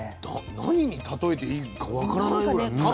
何に例えていいか分からないぐらい。